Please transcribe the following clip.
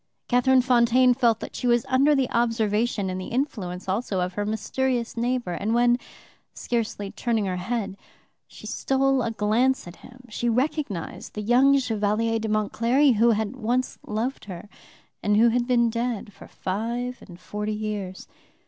Catherine Fontaine felt that she was under the observation and the influence also of her mysterious neighbor, and when, scarcely turning her head, she stole a glance at him, she recognized the young Chevalier d'Aumont Cléry, who had once loved her, and who had been dead for five and forty years.